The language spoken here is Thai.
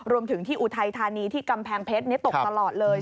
รวมถึงที่อุทัยธานีที่กำแพงเพชรตกตลอดเลย